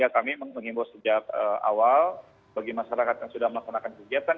kami mengimbau sejak awal bagi masyarakat yang sudah melaksanakan kegiatan